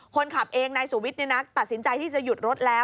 คนขับเองนายสุวิทย์ตัดสินใจที่จะหยุดรถแล้ว